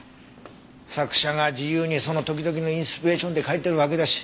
作者が自由にその時々のインスピレーションで書いてるわけだし。